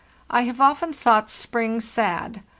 I have often thought spring sad.